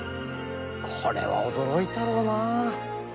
これは驚いたろうな。